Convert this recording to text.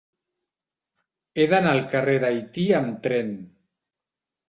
He d'anar al carrer d'Haití amb tren.